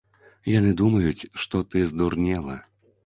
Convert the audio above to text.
Яны думаюць, што ты здурнела.